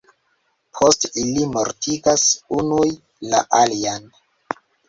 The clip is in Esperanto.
Poste ili mortigas unuj la aliajn.